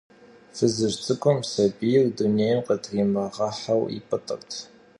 Fızıj ts'ık'um sabiyr dunêym khıtrimığeheu yip'ırt.